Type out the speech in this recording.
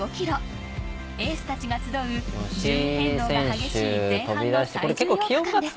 エースたちが集う順位変動が激しい、前半の最重要区間です。